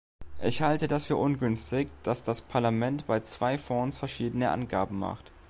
Ich halte das für ungünstig, dass das Parlament bei zwei Fonds verschiedene Angaben macht.